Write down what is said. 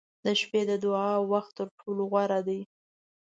• د شپې د دعا وخت تر ټولو غوره دی.